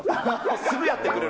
すぐやってくれる。